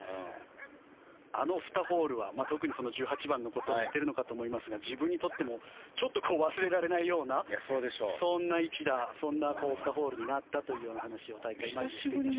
あの２ホールは特に、１８番のことを言っていると思いますが自分にとってもちょっと忘れられないようなそんな一打そんな２ホールになったという話を大会前にしていました。